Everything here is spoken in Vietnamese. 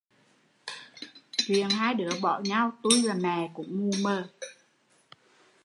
Chuyện hai đứa bỏ nhau, tui là mẹ cũng mù mờ